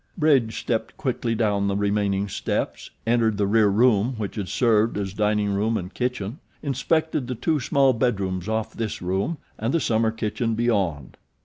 Bridge stepped quickly down the remaining steps, entered the rear room which had served as dining room and kitchen, inspected the two small bedrooms off this room, and the summer kitchen beyond.